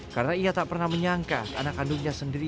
karena ia tak pernah menyangka anak kandungnya sendiri